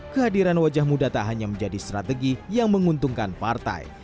kehadiran wajah muda tak hanya menjadi strategi yang menguntungkan partai